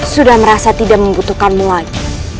sudah merasa tidak membutuhkanmu lagi